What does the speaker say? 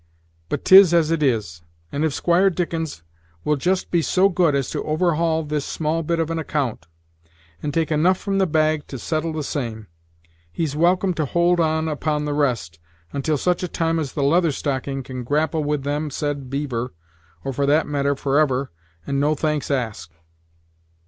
But 'tis as it is; and if Squire Dickens will just be so good as to overhaul this small bit of an account, and take enough from the bag to settle the same, he's welcome to hold on upon the rest, till such time as the Leather Stocking can grapple with them said beaver, or, for that matter, forever, and no thanks asked."